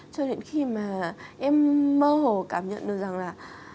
cho đến khi mà em mơ hồ cảm nhận được rằng là